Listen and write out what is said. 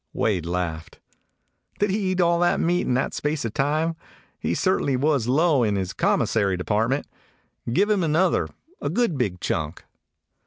Wade laughed. "Did he eat all that meat in that space of time? He certainly was low in his commissary department. Give him an other; a good, big chunk."